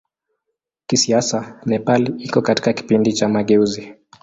Kisiasa Nepal iko katika kipindi cha mageuzi.